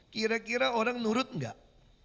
kira kira orang nurut nggak